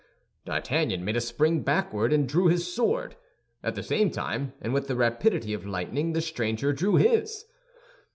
D'Artagnan made a spring backward and drew his sword. At the same time, and with the rapidity of lightning, the stranger drew his.